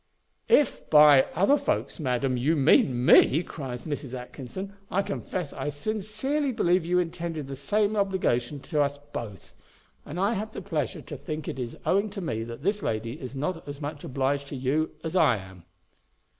"If by other folks, madam, you mean me," cries Mrs. Atkinson, "I confess I sincerely believe you intended the same obligation to us both; and I have the pleasure to think it is owing to me that this lady is not as much obliged to you as I am."